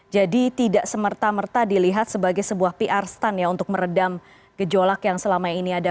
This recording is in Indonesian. jadi tidak semerta merta dilihat sebagai sebuah pr stunt ya untuk meredam gejolak yang selama ini ada